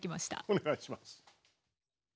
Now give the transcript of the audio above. お願いします。